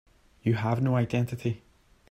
You have no identity.